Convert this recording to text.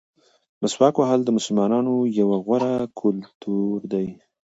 مسواک وهل د مسلمانانو یو غوره کلتور دی.